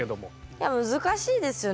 いや難しいですよね